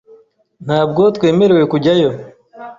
Ntabwo twemerewe kujyayo .